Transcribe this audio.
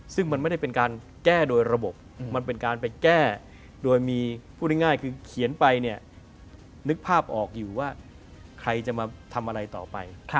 ซึ่งมันไม่ได้เป็นการแก้โดยระบบมันเป็นการไปแก้โดยมีพูดง่ายคือเขียนไปเนี่ยนึกภาพออกอยู่ว่าใครจะมาทำอะไรต่อไป